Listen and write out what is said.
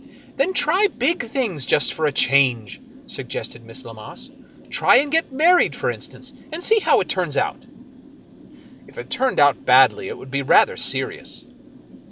" Then try big things, just for a change," suggested Miss Lammas. " Try and get married, for instance, and see how it turns out." " If it turned out badly it would be rather serious."